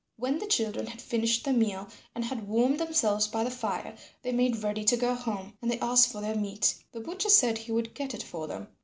When the children had finished their meal and had warmed themselves by the fire they made ready to go home and they asked for their meat. The butcher said he would get it for them.